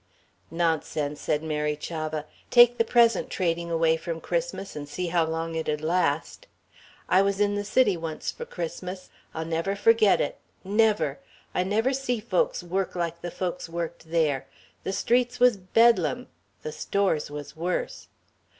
"Nonsense," said Mary Chavah, "take the present trading away from Christmas and see how long it'd last. I was in the City once for Christmas. I'll never forget it never. I never see folks work like the folks worked there. The streets was Bedlam. The stores was worse.